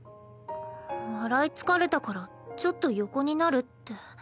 「笑い疲れたからちょっと横になる」って。